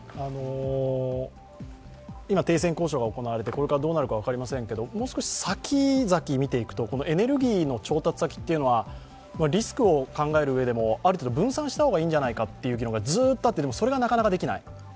今、停戦交渉が行われて、これからどうなるか分かりませんけどもう少し先々見ていくとエネルギーの調達先というのは、リスクを考えるうえでも、ある程度分散した方がいいんじゃないかという議論がずっとあって、でもそれがなかなかできない。